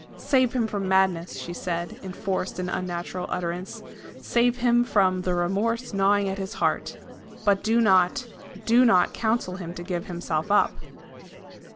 "Save him from madness," she said, in forced and unnatural utterance. "Save him from the remorse gnawing at his heart. But do not, DO not counsel him to give himself up."